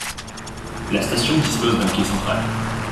La station dispose d'un quai central.